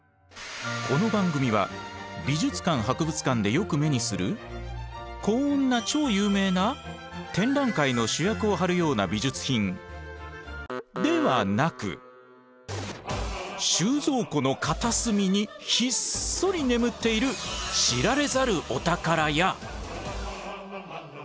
この番組は美術館・博物館でよく目にするこんな超有名な展覧会の主役を張るような美術品ではなく収蔵庫の片隅にひっそり眠っている知られざるお宝や。